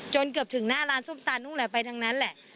จนเกือบถึงหน้าร้านส้มตันไปทั้งนั้นแหละ